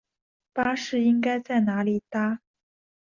巴士应该在哪里搭？